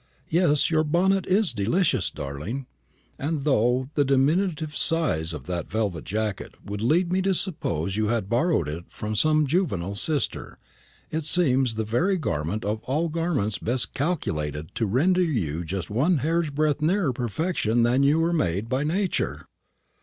Yes, your bonnet is delicious, darling; and though the diminutive size of that velvet jacket would lead me to suppose you had borrowed it from some juvenile sister, it seems the very garment of all garments best calculated to render you just one hair's breadth nearer perfection than you were made by Nature."